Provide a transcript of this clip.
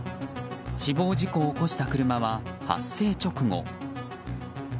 死亡事故を起こした車は発生直後。